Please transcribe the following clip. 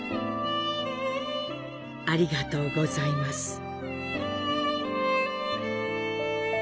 ありがとうございます。